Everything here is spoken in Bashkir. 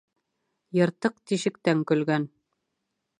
Йыртыҡ тишектән көлгән.